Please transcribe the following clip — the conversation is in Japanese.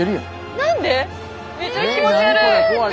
なんで⁉めっちゃ気持ち悪い！